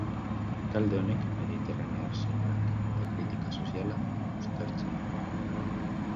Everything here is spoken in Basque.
Talde honek mediterranear soinuak eta kritika soziala uztartzen du.